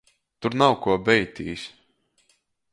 Tur nav kuo beitīs.